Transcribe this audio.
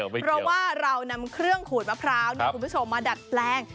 เพราะว่าเรานำเครื่องขูดมะพร้าวคุณผู้ชมมาดัดแปลง